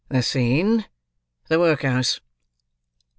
"The scene, the workhouse."